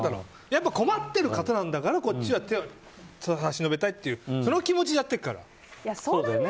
困ってる方なんだからこっちは手を差し伸べたいってその気持ちでやってるから。